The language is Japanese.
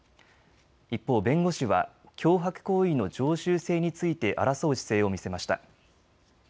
一方、弁護士は脅迫行為の常習性について争う姿勢を見せました。